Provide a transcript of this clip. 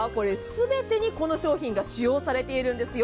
全てに、この商品が使用されているんです。